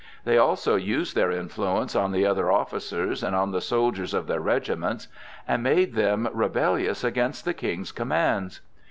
They also used their influence on the other officers and on the soldiers of their regiments, and made them rebellious against the King's commands.